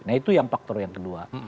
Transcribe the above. nah itu yang faktor yang kedua